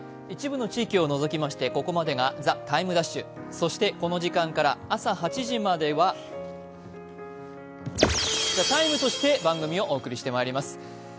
一部の地域を除きまして、ここまでが「ＴＩＭＥ’」、そしてこの時間から朝８時までは「ＴＨＥＴＩＭＥ，」として番組をお送りしてまいります。